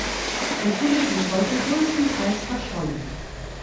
Die Funde sind heute größtenteils verschollen.